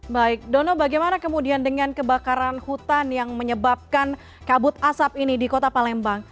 baik dono bagaimana kemudian dengan kebakaran hutan yang menyebabkan kabut asap ini di kota palembang